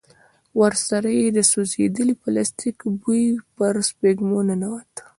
ورسره يې د سوځېدلي پلاستيک بوی پر سپږمو ننوت.